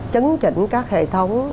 chấn chỉnh các hệ thống